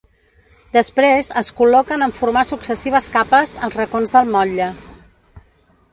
Després es col·loquen en formar successives capes, als racons del motlle.